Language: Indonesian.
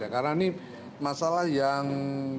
karena ini masalah yang